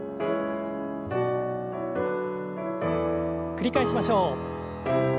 繰り返しましょう。